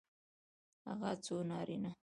هغه څو نارینه